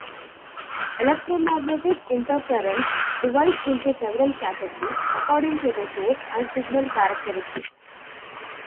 Electromagnetic interference divides into several categories according to the source and signal characteristics.